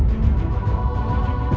aku ingin menerima keadaanmu